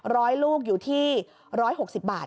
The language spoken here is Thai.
ลูกอยู่ที่๑๖๐บาท